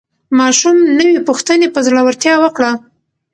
ماشوم نوې پوښتنه په زړورتیا وکړه